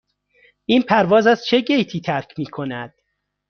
این پرواز از چه گیتی ترک می کند؟